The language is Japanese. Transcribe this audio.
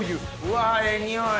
わええ匂い。